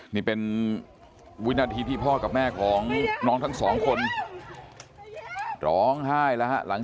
นี่เป็นวินาทีที่พ่อกับแม่ของน้องทั้งสองคนร้องไห้แล้วฮะหลัง